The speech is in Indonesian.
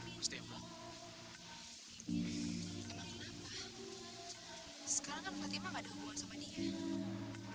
emang kenapa sekarang kan fatima gak ada hubungan sama dia